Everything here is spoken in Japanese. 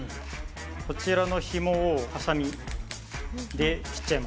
こちらのヒモをハサミで切っちゃいます。